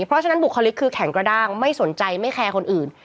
เพราะฉะนั้นบุคลิกคือแข็งกระด้างไม่สนใจไม่แคร์คนอื่น